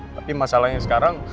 tapi masalahnya sekarang